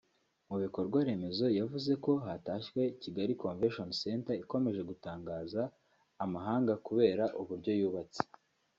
Mu bikorwa remezo yavuze ko hatashywe Kigali Convention Centre ikomeje gutangaza amahanga kubera uburyo yubatse